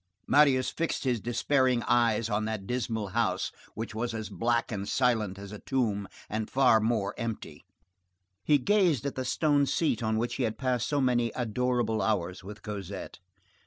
Marius fixed his despairing eyes on that dismal house, which was as black and as silent as a tomb and far more empty. He gazed at the stone seat on which he had passed so many adorable hours with Cosette.